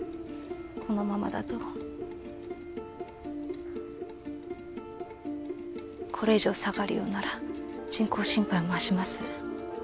このままだとこれ以上下がるようなら人工心肺を回します